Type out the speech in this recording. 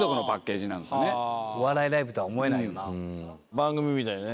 番組みたいなね。